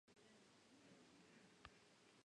Las hojas están enfrentadas y son lobuladas.